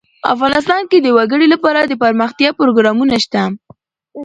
افغانستان کې د وګړي لپاره دپرمختیا پروګرامونه شته.